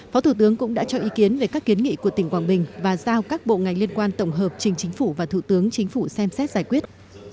phó thủ tướng cũng đã cho ý kiến về các kiến nghị của tỉnh quảng bình và giao các bộ ngành liên quan tổng hợp trình chính phủ và thủ tướng chính phủ xem xét giải quyết